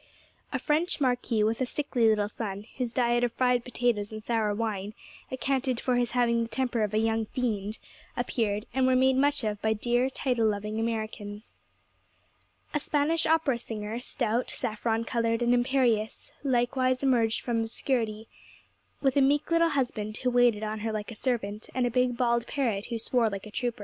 A French Marquis, with a sickly little son, whose diet of fried potatoes and sour wine accounted for his having the temper of a young fiend, appeared, and were made much of by dear, title loving Americans. A Spanish opera singer, stout, saffron coloured, and imperious, likewise emerged from obscurity, with a meek little husband, who waited on her like a servant, and a big bald parrot, who swore like a trooper.